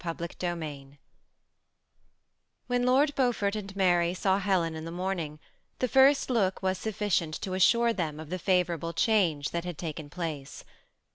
CHAPTER XUIL When Lord Beaufort and Mary saw Helen in the morning, the first look was sufficient to assure them of the favorahle change that had taken place.